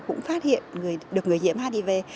cũng phát hiện được người nhiễm hiv